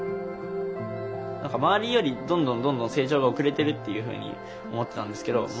何か周りよりどんどんどんどん成長が遅れてるっていうふうに思ってたんですけど